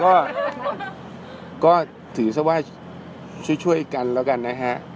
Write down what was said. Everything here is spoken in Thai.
ก็ถือซะว่าช่วยกันแล้วกันนะฮะ